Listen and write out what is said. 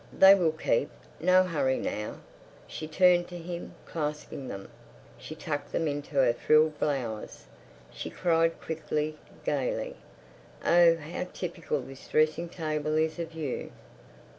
They will keep. No hurry now!" She turned to him, clasping them. She tucked them into her frilled blouse. She cried quickly, gaily: "Oh, how typical this dressing table is of you!"